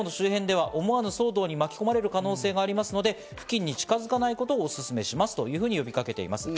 デモの周辺では思わぬ騒動に巻き込まれる可能性もありますので付近に近づかないことをおすすめしますと呼びかけています。